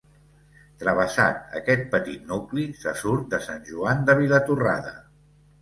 Travessat aquest petit nucli se surt de Sant Joan de Vilatorrada.